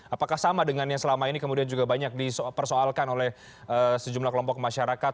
apakah sama dengan yang selama ini kemudian juga banyak dipersoalkan oleh sejumlah kelompok masyarakat